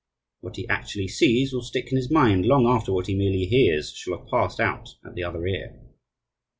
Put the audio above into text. What he actually sees will stick in his mind long after what he merely hears shall have passed out at the other ear.